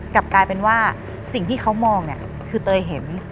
กลับกลายเป็นว่าสิ่งที่เขามองเนี่ยคือเตยเห็น